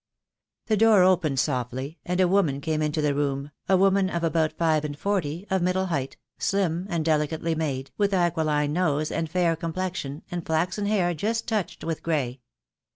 The door opened softly, and a woman came into the room, a woman of about five and forty, of middle height, slim and delicately made, with aquiline nose and fair complexion, and flaxen hair just touched with grey.